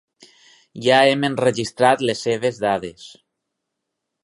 Ja hem enregistrat les seves dades.